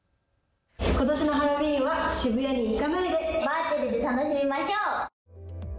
ことしのハロウィーンは渋谷に行かないでバーチャルで楽しみましょう！